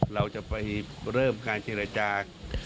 เราจะไปเริ่มการการเงินจา